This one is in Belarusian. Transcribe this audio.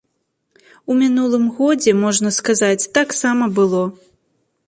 У мінулым годзе, можна сказаць, так сама было.